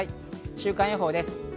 週間予報です。